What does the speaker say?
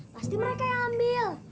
pasti mereka yang ambil